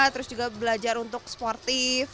terus juga belajar untuk sportif